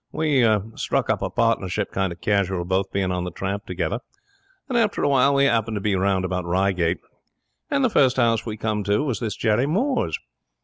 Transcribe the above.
We struck up a partnership kind of casual, both being on the tramp together, and after a while we 'appened to be round about Reigate. And the first house we come to was this Jerry Moore's.